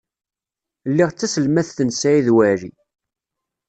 Lliɣ d taselmadt n Saɛid Waɛli.